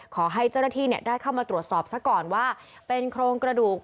ขอให้เจ้าหน้าที่ได้เข้ามาตรวจสอบซะก่อนว่าเป็นโครงกระดูก